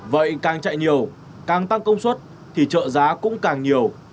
vậy càng chạy nhiều càng tăng công suất thì trợ giá cũng càng nhiều